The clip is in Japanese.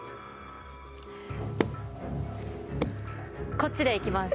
こっちでいきます。